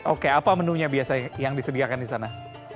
oke apa menunya biasanya yang disediakan di sana